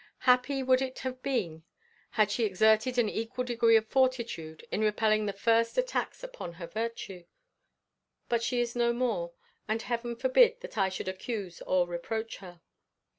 Happy would it have been had she exerted an equal degree of fortitude in repelling the first attacks upon her virtue. But she is no more, and Heaven forbid that I should accuse or reproach her.